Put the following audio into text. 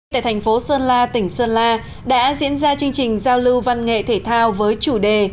tại thành phố sơn la tỉnh sơn la đã diễn ra chương trình giao lưu văn nghệ thể thao với chủ đề